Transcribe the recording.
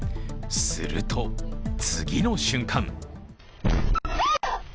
すると、次の瞬間。